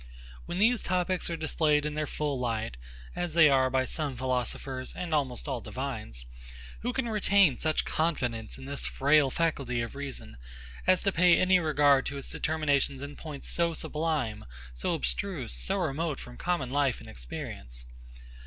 When these topics are displayed in their full light, as they are by some philosophers and almost all divines; who can retain such confidence in this frail faculty of reason as to pay any regard to its determinations in points so sublime, so abstruse, so remote from common life and experience?